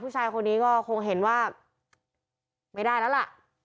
ตอนนี้ก็คงเห็นว่าไม่ได้แล้วล่ะ